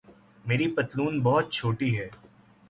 میری پتلون بہت چھوٹی ہے